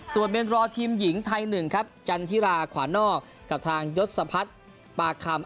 ส่วนเมนรอทีมหญิงไทย๑ครับจันทิราขวานอกกับทางยศพัฒน์ปาคำ